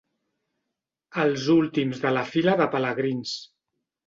Els últims de la fila de pelegrins.